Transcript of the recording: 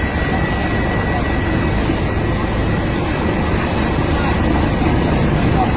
สมมุติของน้อง